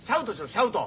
シャウト。